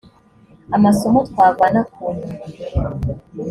amasomo twavana ku nyoni